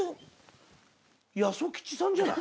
八十吉さんじゃない？